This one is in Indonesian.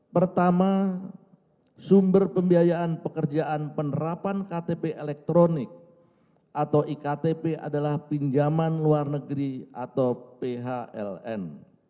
pertama sumber pembiayaan pekerjaan penerapan ktp elektronik atau iktp adalah pinjaman luar negeri atau phln